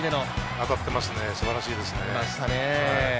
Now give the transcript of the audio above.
当たってますね、素晴らしいですね。